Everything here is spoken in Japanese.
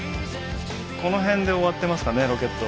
この辺で終わってますかねロケット。